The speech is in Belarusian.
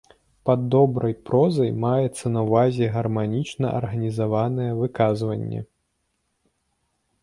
Пад добрай прозай маецца на ўвазе гарманічна арганізаванае выказванне.